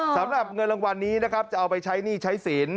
สำหรับเงินรางวัลนี้นะครับจะเอาไปใช้หนี้ใช้สิน